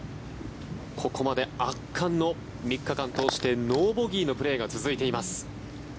ここまで圧巻の３日間通してノーボギーのプレーが続いています。